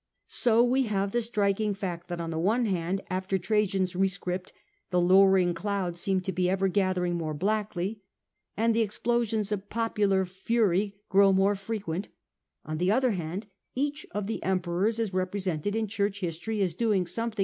^ So we have the striking fact, that on the one hand, after Trajan's rescript, the lowering clouds seem The suc to be ever gathering more blackly, and the explosions of popular fury grow more frequent : incline to r IT • mercy, but on the other, each of the Emperors is repre the popular sented in church history as doing something to gJ.